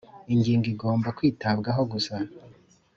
ingingo igomba kwitabwaho gusa